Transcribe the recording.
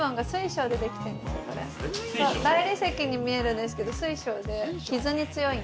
大理石に見えるんですけど水晶で。